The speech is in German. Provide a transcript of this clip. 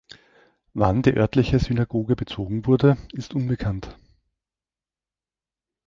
Wann die örtliche Synagoge bezogen wurde, ist unbekannt.